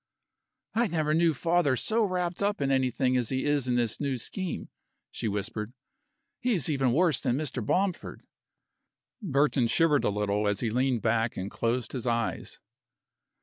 "I never knew father so wrapped up in anything as he is in this new scheme," she whispered. "He is even worse than Mr. Bomford." Burton shivered a little as he leaned back and closed his eyes.